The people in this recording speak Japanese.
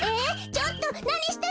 ちょっとなにしてるの？